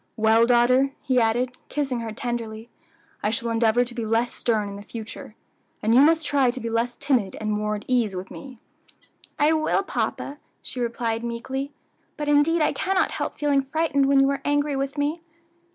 Well, daughter," he added, kissing her tenderly, "I shall endeavor to be less stern in future, and you must try to be less timid and more at your ease with me." "I will, papa," she replied meekly; "but indeed I cannot help feeling frightened when you are angry with me."